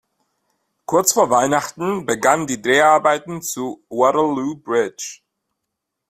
Kurz vor Weihnachten begannen die Dreharbeiten zu "Waterloo Bridge".